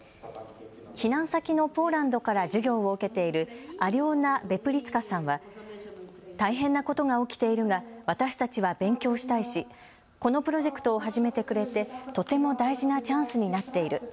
避難先のポーランドから授業を受けているアリョーナ・ヴェプリツィカさんは大変なことが起きているが私たちは勉強したいしこのプロジェクトを始めてくれてとても大事なチャンスになっている。